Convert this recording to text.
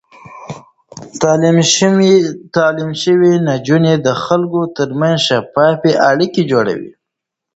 تعليم شوې نجونې د خلکو ترمنځ شفاف اړيکې جوړوي.